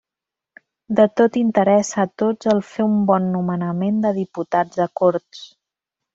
De tot interessa a tots el fer un bon nomenament de diputats a Corts.